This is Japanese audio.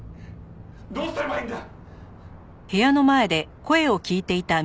どうすればいいんだ！